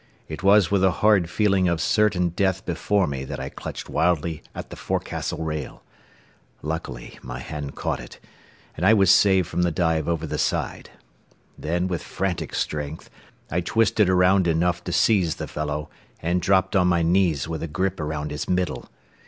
It was with a horrid feeling of certain death before me that I clutched wildly at the forecastle rail. Luckily my hand caught it, and I was saved from the dive over the side. Then with frantic strength I twisted around enough to seize the fellow, and dropped on my knees with a grip around his middle.